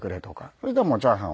そしたらもうチャーハンを。